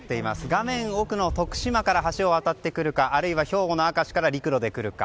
画面奥の徳島から橋を渡ってくるかあるいは兵庫の明石から陸路で来るか。